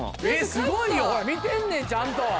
すごいよ見てんねんちゃんと。